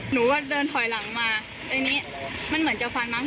หนูก็เดินถอยหลังมาอันนี้มันเหมือนจะฟันมั้ง